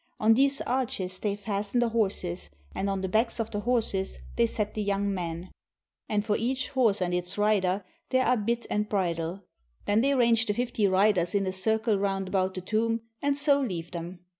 On these arches they fasten the horses, and on the backs of the horses they set the young men ; and for each horse and its rider there are bit and bridle. Then they range the fifty riders in a circle round about the tomb and so leave them.